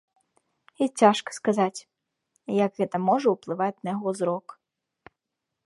І цяжка сказаць, як гэта можа ўплываць на яго зрок.